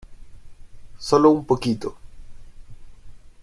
solo un poquito.